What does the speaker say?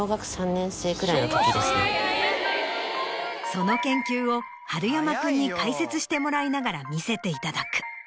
その研究を春山君に解説してもらいながら見せていただく。